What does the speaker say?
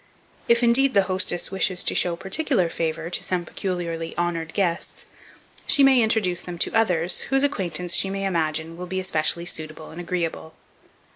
If, indeed, the hostess wishes to show particular favour to some peculiarly honoured guests, she may introduce them to others, whose acquaintance she may imagine will be especially suitable and agreeable.